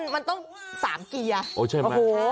มันต้อง๓เกียร์